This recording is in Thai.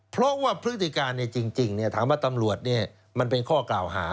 เพราะว่าพฤติการจริงถามว่าตำรวจมันเป็นข้อกล่าวหา